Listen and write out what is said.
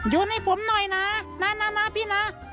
ให้ผมหน่อยนะนะพี่นะ